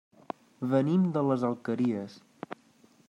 Venim de les Alqueries.